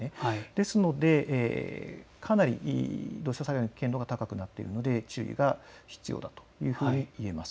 ですのでかなり土砂災害の危険度が高くなっているので注意が必要だというふうにいえます。